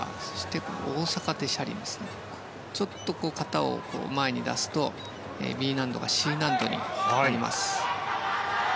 ちょっと肩を前に出すとＢ難度がＣ難度になります。